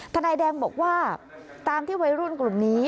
นายแดงบอกว่าตามที่วัยรุ่นกลุ่มนี้